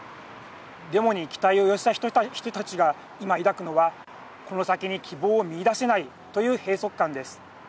デモに期待を寄せた人たちが今抱くのはこの先に希望を見いだせないという閉塞感です。